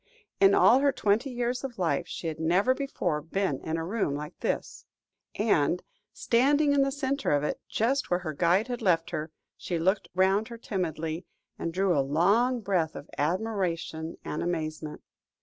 In all her twenty years of life she had never before been in a room like this room, and, standing in the centre of it, just where her guide had left her, she looked round her timidly, and drew a long breath of admiration and amazement.